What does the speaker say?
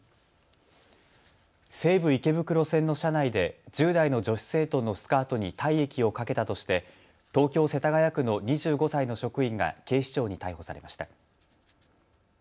西武池袋線の車内で１０代の女子生徒のスカートに体液をかけたとして東京世田谷区の２５歳の職員が警視庁に逮捕されました。